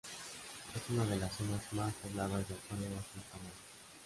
Es una de las zonas más pobladas de acuerdo a su tamaño.